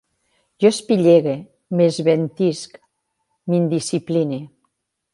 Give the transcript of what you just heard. Jo espillege, m'esventisc, m'indiscipline